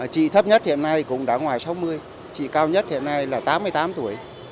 chị thấp nhất hiện nay cũng đã ngoài sáu mươi chị cao nhất hiện nay là tám mươi tám tuổi